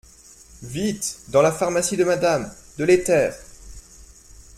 Vite ! dans la pharmacie de Madame… de l’éther !